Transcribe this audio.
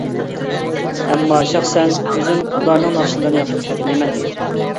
ئەمما شەخسەن ئۆزۈم ئۇلارنىڭ ناخشىلىرىنى ياقتۇرۇپ كەتمەيمەن.